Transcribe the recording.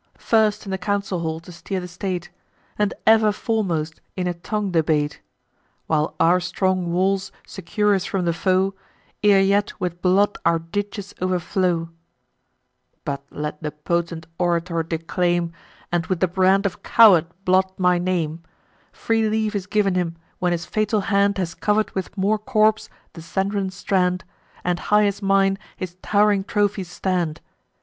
First in the council hall to steer the state, And ever foremost in a tongue debate, While our strong walls secure us from the foe, Ere yet with blood our ditches overflow: But let the potent orator declaim, And with the brand of coward blot my name; Free leave is giv'n him, when his fatal hand Has cover'd with more corps the sanguine strand, And high as mine his tow'ring trophies stand.